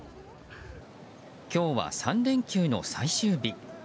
今日は３連休の最終日。